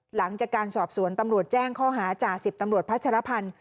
หลังจากการสอบสวนตำรวจแจ้งข้อหาจ่าสิบตำรวจพัชรพันธ์